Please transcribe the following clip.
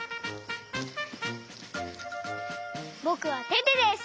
ぼくはテテです！